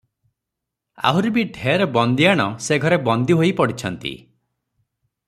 ଆହୁରି ବି ଢେର ବନ୍ଦିଆଣ ସେ ଘରେ ବନ୍ଦୀ ହୋଇ ପଡିଛନ୍ତି ।